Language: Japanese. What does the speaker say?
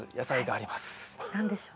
何でしょう？